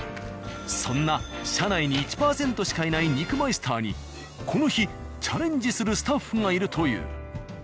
そんな社内に１％しかいない肉マイスターにこの日チャレンジするスタッフがいるという。